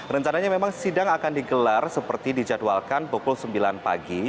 rencananya memang sidang akan digelar seperti dijadwalkan pukul sembilan pagi